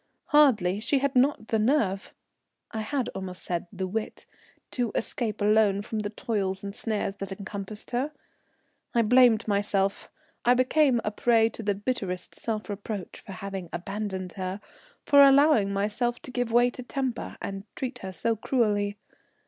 Hardly, she had not the nerve, I had almost said the wit, to escape alone from the toils and snares that encompassed her. I blamed myself, I became a prey to the bitterest self reproach for having abandoned her, for allowing myself to give way to temper, and treat her so cruelly.